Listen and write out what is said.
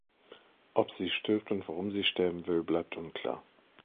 Ob sie stirbt und warum sie sterben will, bleibt unklar.